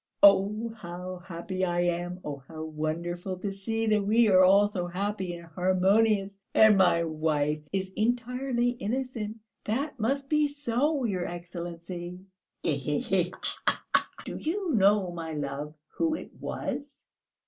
"Oh, how happy I am! Oh, how wonderful to see that we are all so happy and harmonious! And my wife is entirely innocent. That must be so, your Excellency!" "He he he! Khee khee! Do you know, my love, who it was?"